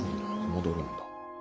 戻るんだ。